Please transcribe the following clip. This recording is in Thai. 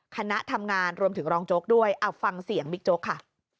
คณะทำงานรวมถึงรองโจ๊กด้วยเอาฟังเสียงบิ๊กโจ๊กค่ะ